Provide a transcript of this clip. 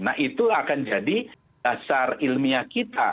nah itu akan jadi dasar ilmiah kita